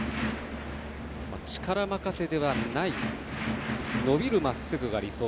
力任せではない伸びるまっすぐが理想。